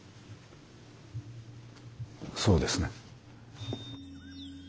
そうですね。